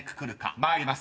［参ります。